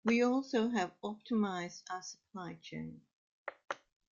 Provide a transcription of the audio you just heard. We have also optimised our supply chain.